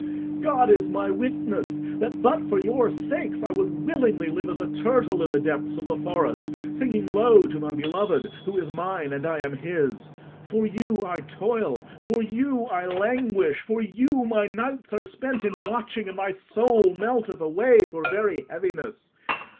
God is my witness that but for your sakes I would willingly live as a turtle in the depths of the forest, singing low to my Beloved, who is mine and I am his. For you I toil, for you I languish, for you my nights are spent in watching, and my soul melteth away for very heaviness.